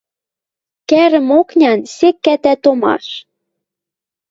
Кӓрӹм окнян сек кӓтӓ томаш.